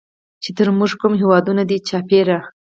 چې تر مونږ کوم هېوادونه دي چاپېره